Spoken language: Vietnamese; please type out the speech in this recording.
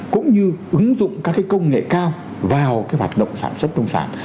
cũng như ứng dụng các cái công nghệ cao vào cái hoạt động sản xuất thông sản